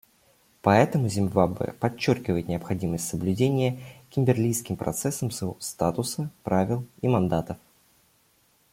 Поэтому Зимбабве подчеркивает необходимость соблюдения Кимберлийским процессом своего статута, правил и мандатов.